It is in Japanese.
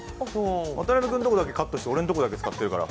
渡部君のところだけカットして、俺のところだけ使ってるから。